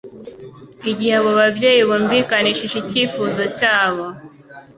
Igihe abo babyeyi bumvikanishije icyifuzo cyabo,